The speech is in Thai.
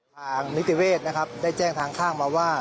ทางนิติเวศนะครับได้แจ้งทางข้างมาว่า